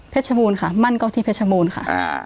เพชมูลค่ะมั่นก็ที่เพชมูลค่ะ